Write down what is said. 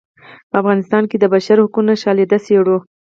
په افغانستان کې د بشر حقونو شالید څیړو.